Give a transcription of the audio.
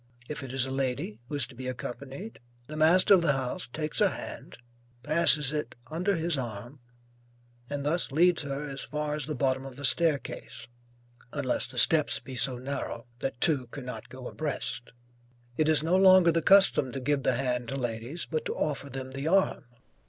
If it is a lady who is to be accompanied, the master of the house takes her hand, passes it under his arm, and thus leads her as far as the bottom of the staircase, unless the steps be so narrow that two cannot go abreast. It is no longer the custom to give the hand to ladies, but to offer them the arm.